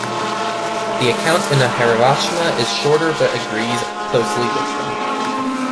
The account in the "Harivamsha" is shorter but agrees closely with them.